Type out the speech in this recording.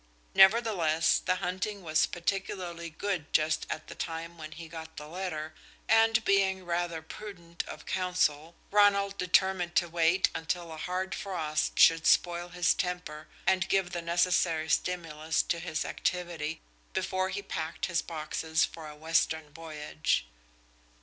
Nevertheless, the hunting was particularly good just at the time when he got the letter, and being rather prudent of counsel, Ronald determined to wait until a hard frost should spoil his temper and give the necessary stimulus to his activity, before he packed his boxes for a western voyage.